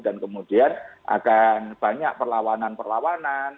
dan kemudian akan banyak perlawanan perlawanan